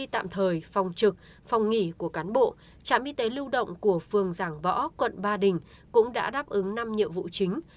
tạm thời phòng trực phòng nghỉ của cán bộ trạm y tế lưu động của phường giảng võ quận ba đình cũng đã đáp ứng năm nhiệm vụ chính